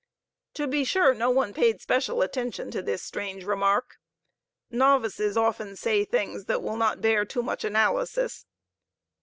To be sure, no one paid special attention to this strange remark. Novices often say things that will not bear too much analysis.